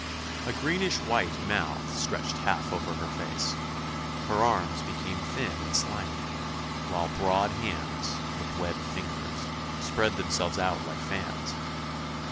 A greenish white mouth stretched half over her face; her arms became thin and slimy; while broad hands, with webbed fingers, spread themselves out like fans.